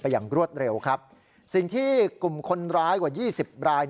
อย่างรวดเร็วครับสิ่งที่กลุ่มคนร้ายกว่ายี่สิบราย